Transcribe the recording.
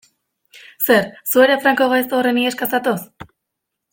Zer, zu ere Franco gaizto horren iheska zatoz?